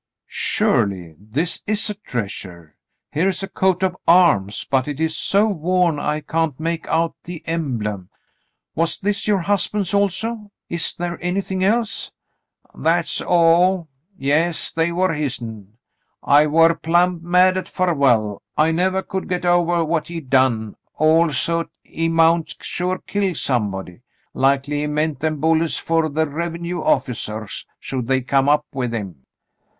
"Surely ! This is a treasure. Here is a coat of arms — but it is so worn I can't make out the emblem. Was this your husband's also ? Is there anything else ?" "That's all. Yes, they war hisn. I war plumb mad at Farwell. I nevah could get ovah what he done, all so't he 84 The Mountain Girl mount sure kill somebody. Likely he meant them bullets fer the revenue officers, should they come up with him."